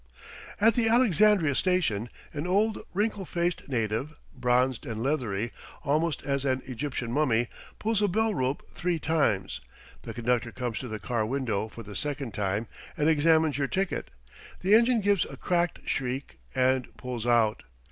At the Alexandria station, an old wrinkle faced native, bronzed and leathery almost as an Egyptian mummy, pulls a bell rope three times, the conductor comes to the car window for the second time and examines your ticket, the engine gives a cracked shriek and pulls out.